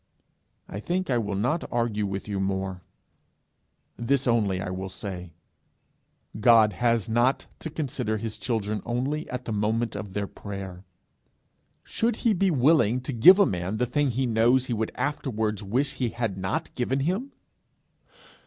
I think I will not argue with you more. This only I will say: God has not to consider his children only at the moment of their prayer. Should he be willing to give a man the thing he knows he would afterwards wish he had not given him?